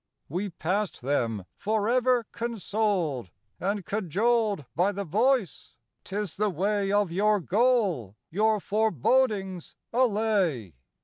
We passed them, forever consoled And cajoled by the Voice,—'T is the way Of your goal; your forebodings allay."